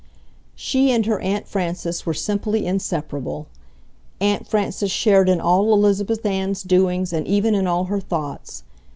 She and her Aunt Frances were simply inseparable. Aunt Frances shared in all Elizabeth Ann's doings and even in all her thoughts.